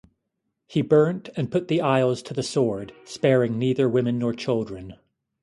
He burnt and put the isles to the sword, sparing neither women nor children.